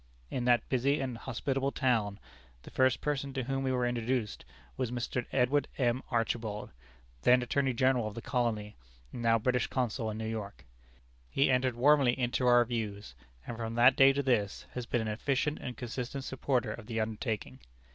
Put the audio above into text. In that busy and hospitable town, the first person to whom we were introduced was Mr. Edward M. Archibald, then Attorney General of the Colony, and now British Consul in New York. He entered warmly into our views, and from that day to this, has been an efficient and consistent supporter of the undertaking.